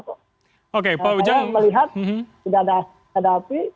saya melihat tidak ada hadapi